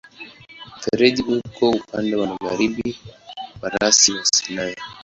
Mfereji uko upande wa magharibi wa rasi ya Sinai.